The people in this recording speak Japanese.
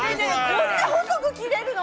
こんな細く切れるの。